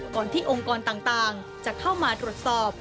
ที่องค์กรต่างจะเข้ามาตรวจสอบ